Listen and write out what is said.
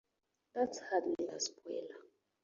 That's hardly a spoiler!